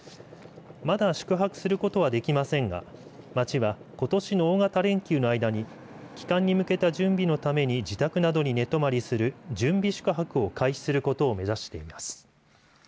まだ宿泊することはできませんが町は、ことしの大型連休の間に帰還に向けた準備のために自宅などに寝泊りする準備宿泊を開始することを目指しています。